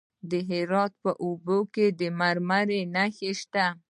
د هرات په اوبې کې د مرمرو نښې شته.